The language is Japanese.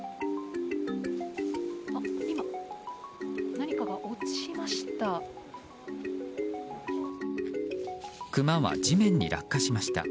今、何かが落ちました。